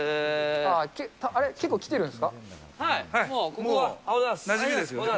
結構、来てるんですか？